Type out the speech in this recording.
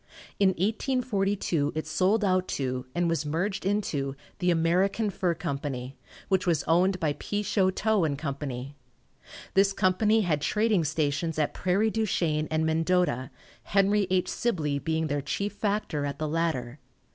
In 1842 it sold out to, and was merged into, the American Fur Company, which was owned by P. Choteau & Company. This company had trading stations at Prairie du Chien and Mendota, Henry H. Sibley being their chief factor at the latter.